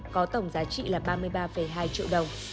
có tổng giá trị là ba mươi ba hai triệu đồng